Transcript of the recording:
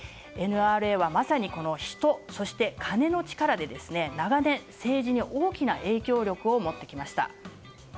ＮＲＡはまさにこの人、そして金の力で長年、政治に大きな影響力を持ってきました。